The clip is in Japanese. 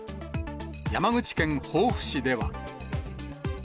山口県防府市では。